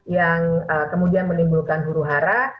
yang kemudian menimbulkan huru hara